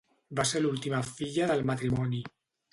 Va ser l'última filla del matrimoni.